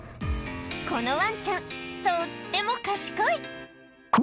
このわんちゃん、とっても賢い。